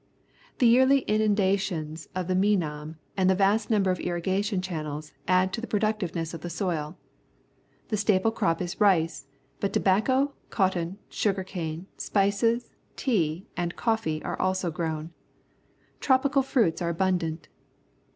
The year ly inundations of the Menam and the vast number of irrigation canals add to the pro ductiveness of the soil. The staple crop is rice, but tobacco, cotton, sugar cane, spices, tea, and coffee are also grown. Tropical fruits are abundant.